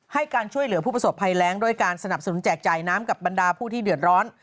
ให้การช่วยเหลือผู้ประสบภัยแรงด้วยการสนับสนุนแจกจ่ายน้ำกับบรรดาผู้ที่เดือดร้อน